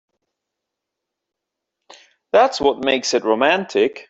That's what makes it romantic.